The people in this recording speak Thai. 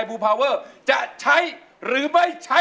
กับเพลงที่๑ของเรา